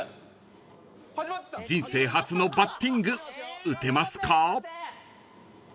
［人生初のバッティング打てますか？］